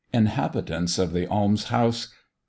INHABITANTS OF THE ALMS HOUSE.